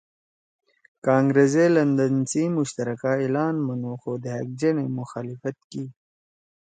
کانگرس ئے لندن سی مشترک اعلان منُو خو دھأک جنَے مخالفت کی